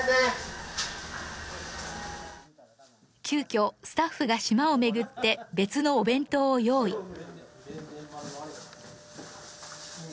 急きょスタッフが島を巡って別のお弁当を用意。